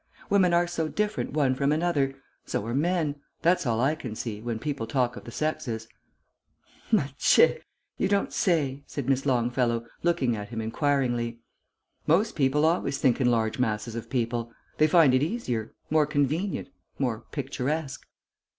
"Women are so different one from another. So are men. That's all I can see, when people talk of the sexes." "Macchè! You don't say!" said Miss Longfellow, looking at him inquiringly. "Most people always think in large masses of people. They find it easier, more convenient, more picturesque."